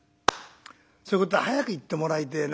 そういうことは早く言ってもらいてえな。